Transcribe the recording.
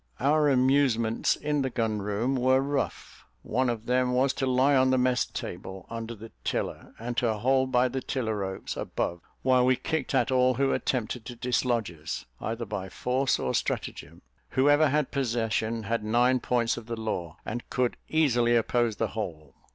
Our amusements in the gun room were rough. One of them was to lie on the mess table, under the tiller, and to hold by the tiller ropes above, while we kicked at all who attempted to dislodge us, either by force or stratagem. Whoever had possession, had nine points of the law, and could easily oppose the whole.